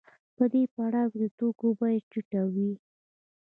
په دې پړاو کې د توکو بیه ټیټه وي